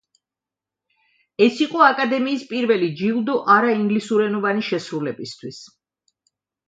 ეს იყო აკადემიის პირველი ჯილდო არაინგლისურენოვანი შესრულებისთვის.